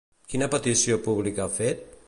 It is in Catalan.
Quina petició pública ha fet?